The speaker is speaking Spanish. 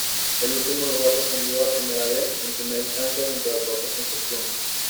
El último lugar descendió a Primera B, en primera instancia junto a Deportes Concepción.